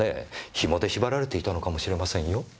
紐で縛られていたのかもしれませんよ？